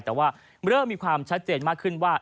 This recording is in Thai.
แต่ว่าเริ่มมีความชัดเจนมากขึ้นว่า